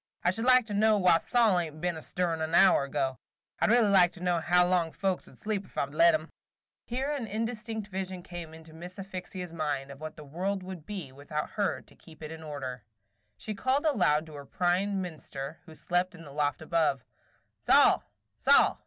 I should like to know why Sol ain't been a stirrin' an hour ago. I 'd really like to know how long folks would sleep ef I 'd let 'em." Here an indistinct vision came into Miss Asphyxia's mind of what the world would be without her to keep it in order. She called aloud to her prime minster, who slept in the loft above, "Sol!